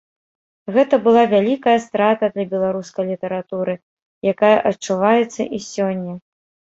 Гэта была вялікая страта для беларускай літаратуры, якая адчуваецца і сёння.